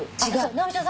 直美ちゃん